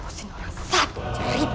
pusing orang satu cerit